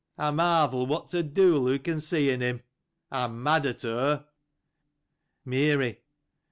I marvel what the de'il she can see in him. I am mad at her. Mary.